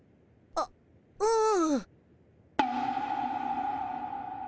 あっうん。